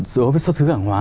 đối với xuất xứ hàng hóa